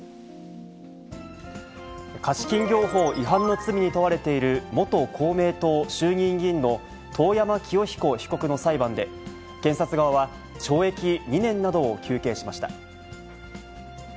貸金業法違反の罪に問われている、元公明党衆議院議員の遠山清彦被告の裁判で、検察側は懲役２年などを求刑しました。